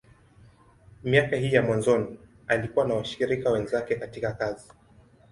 Miaka hii ya mwanzoni, alikuwa na washirika wenzake katika kazi.